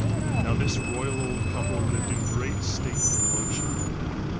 Now this royal old couple lived in great state and luxury.